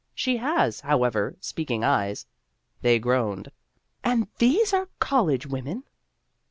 She has, how ever, speaking eyes ; they groaned, " And these are college women